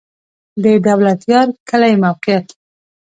د دولتيار کلی موقعیت